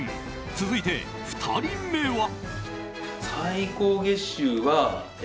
続いて、２人目は。